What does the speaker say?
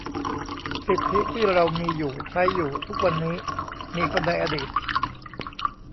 สิทธิที่เรามีอยู่ ใช้อยู่ ทุกวันนี้ มีคนในอดีต